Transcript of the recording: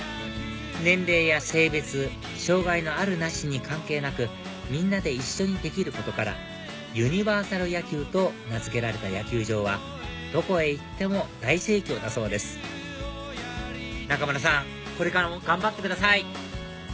年齢や性別障害のあるなしに関係なくみんなで一緒にできることからユニバーサル野球と名付けられた野球場はどこへ行っても大盛況だそうです中村さんこれからも頑張ってください！